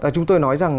chúng tôi nói rằng